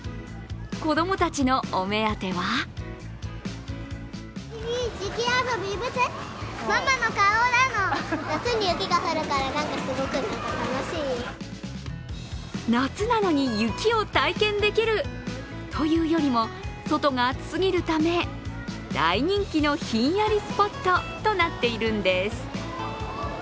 子供たちのお目当ては夏なのに雪を体験できる！というよりも、外が暑すぎるため、大人気のひんやりスポットとなっているんです。